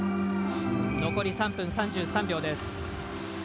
残り３分３３秒です。